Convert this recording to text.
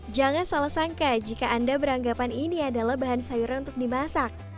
jangan salah sangka jika anda beranggapan ini adalah bahan sayuran untuk dimasak